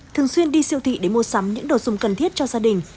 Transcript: thường xuyên đi siêu thị để mua sắm những đồ dùng cần thiết cho gia đình